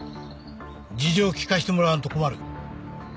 事情を聴かせてもらわんと困る。